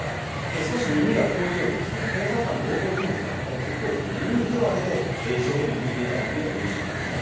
少し耳が遠いようで、検察官の冒頭陳述ではずっと耳に手を当てて、一生懸命聞いていたというのも印象的でしたね。